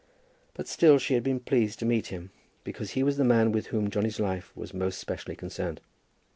But still she had been pleased to meet him, because he was the man with whom Johnny's life was most specially concerned.